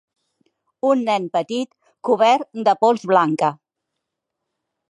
Un nen petit cobert de pols blanca.